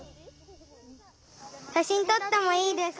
しゃしんとってもいいですか？